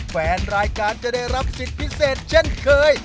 แฟนรายการจะได้รับสิทธิ์พิเศษเช่นเคย